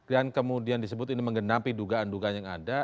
dan kemudian disebut ini menggenapi dugaan dugaan yang ada